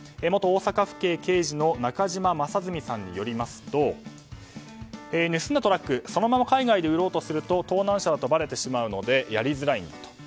元大阪府警刑事の中島正純さんによりますと盗んだトラックをそのまま海外で売ろうとすると盗難車とばれてしまうのでやりづらいんだと。